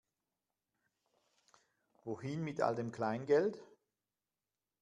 Wohin mit all dem Kleingeld?